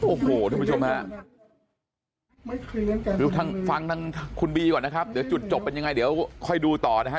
โอ้โหทุกผู้ชมฮะคือทางฟังทางคุณบีก่อนนะครับเดี๋ยวจุดจบเป็นยังไงเดี๋ยวค่อยดูต่อนะฮะ